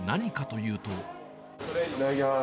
いただきます。